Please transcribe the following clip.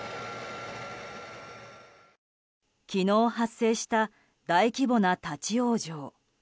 昨日発生した大規模な立ち往生。